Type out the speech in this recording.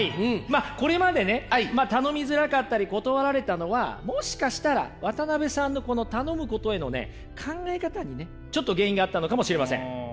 まあこれまでね頼みづらかったり断られたのはもしかしたら渡辺さんのこの頼むことへのね考え方にねちょっと原因があったのかもしれません。